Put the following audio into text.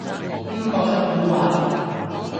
邊個出蠱惑